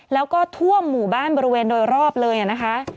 แล้วก็ทั่วหมู่บ้านบริเวณโดยรอบเลยนะคะ